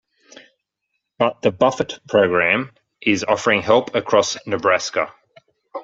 But the Buffett program is offering help across Nebraska.